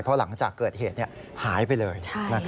เพราะหลังจากเกิดเหตุหายไปเลย